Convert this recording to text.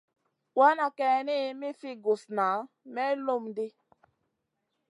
Wana kayni mi fi gusna may lum ɗi.